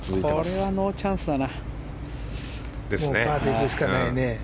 これはノーチャンスだな。